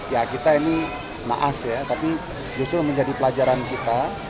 ya kita ini naas ya tapi justru menjadi pelajaran kita